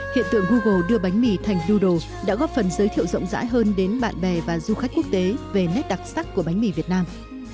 hiện tượng google đưa bánh mì thành doodle đã góp phần giới thiệu rộng rãi hơn đến bạn bè và du khách quốc tế về nét đặc sắc của bánh mì việt nam